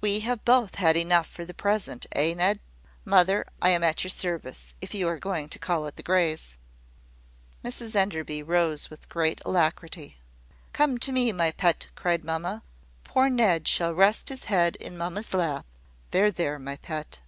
"We have both had enough for the present, eh, Ned? Mother, I am at your service, if you are going to call at the Greys." Mrs Enderby rose with great alacrity. "Come to me, my pet," cried mamma. "Poor Ned shall rest his head in mamma's lap. There, there, my pet!"